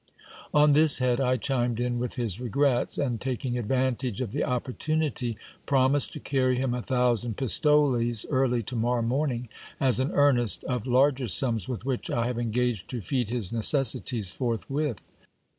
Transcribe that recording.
On this head I chimed in with his regrets ; and taking advantage of the opportunity, promised to carry him a thousand pistoles early to morrow morning, as an earnest of larger sums with which I have engaged to feed his necessities forthwith.